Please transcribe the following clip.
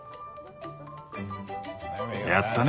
やったね。